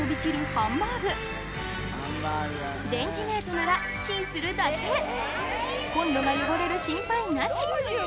ハンバーグレンジメートならコンロが汚れる心配なし！